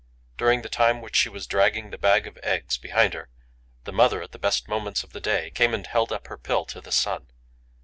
During the time when she was dragging the bag of eggs behind her, the mother, at the best moments of the day, came and held up her pill to the sun.